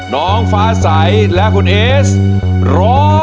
น้องฟ้าใสและคุณเอสร้อง